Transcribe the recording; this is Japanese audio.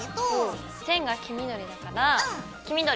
線が黄緑だから黄緑！